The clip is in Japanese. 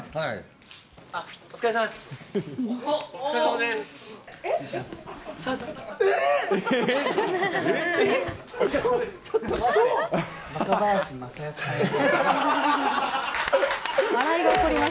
お疲れさまです。